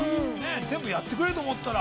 全部やってくれると思ったら。